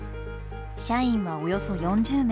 社員はおよそ４０名。